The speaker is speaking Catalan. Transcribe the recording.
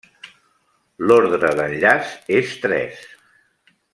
L'ordre d'enllaç és tres.